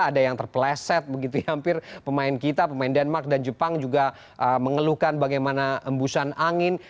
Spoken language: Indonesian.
ada yang terpeleset begitu ya hampir pemain kita pemain denmark dan jepang juga mengeluhkan bagaimana embusan angin